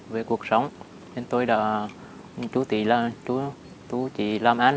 về cuộc sống nên tôi đã chú trí làm an